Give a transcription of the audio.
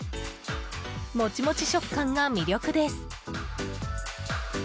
もちもち食感が魅力です。